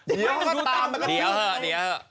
เดี๋ยวเหอะเดี๋ยวเหอะ